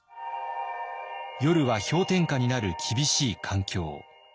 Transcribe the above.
夜は氷点下になる厳しい環境。